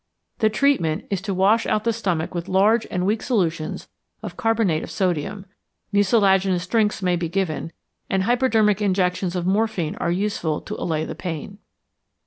The treatment is to wash out the stomach with large and weak solutions of carbonate of sodium. Mucilaginous drinks may be given, and hypodermic injections of morphine are useful to allay the pain.